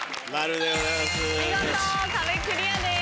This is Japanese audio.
見事壁クリアです。